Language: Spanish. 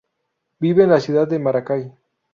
Vive en la ciudad de Maracay.